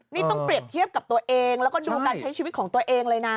นี่ต้องเปรียบเทียบกับตัวเองแล้วก็ดูการใช้ชีวิตของตัวเองเลยนะ